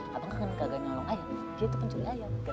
kamu kan gak ngelakuin ngolong ayam dia tuh pencuri ayam